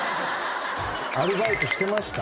アルバイトしてました？